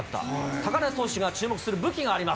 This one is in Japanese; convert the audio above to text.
高梨投手が注目する武器があります。